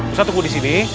ustaz tunggu di sini